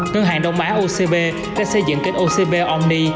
ngân hàng đông á ocb đã xây dựng kênh ocb only